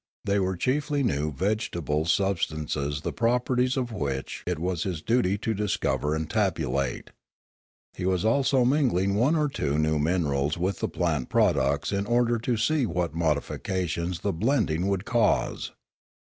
They were chiefly new vegetable substances the properties of which it was his duty to discover and tabulate. He was also mingling one or two new minerals with the plant products in order to see what modification the blending would cause.